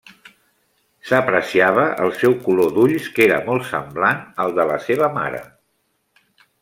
S'apreciava el seu color d'ulls, que era molt semblant al de la seva mare.